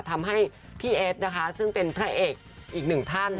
ทำให้พี่เอสนะคะซึ่งเป็นพระเอกอีกหนึ่งท่าน